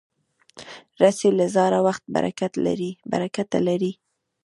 رسۍ له زاړه وخت برکته لري.